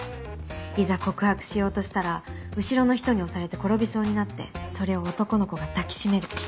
いざ告白しようとしたら後ろの人に押されて転びそうになってそれを男の子が抱き締める。